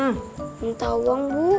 minta uang bu